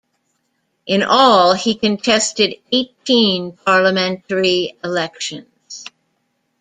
In all he contested eighteen Parliamentary elections.